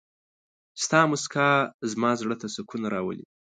ستا مسکا زما زړه ته سکون راولي.